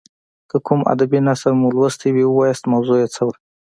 که کوم ادبي نثر مو لوستی وي ووایاست موضوع یې څه وه.